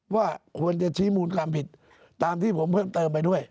ว่าควรจะชี้มูลความผิดตามที่ผมเพิ่มเติมไปด้วย